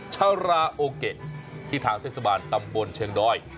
ชาราโอเกะที่ทางเทศบาลตำบลเชิงดอย